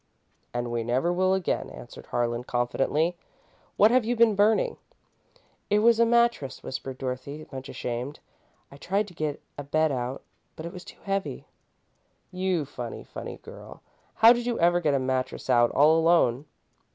"And we never will again," answered Harlan, confidently. "What have you been burning?" "It was a mattress," whispered Dorothy, much ashamed. "I tried to get a bed out, but it was too heavy." "You funny, funny girl! How did you ever get a mattress out, all alone?"